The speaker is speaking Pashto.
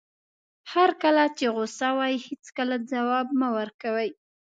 هر کله چې غوسه وئ هېڅکله ځواب مه ورکوئ.